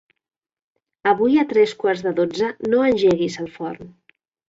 Avui a tres quarts de dotze no engeguis el forn.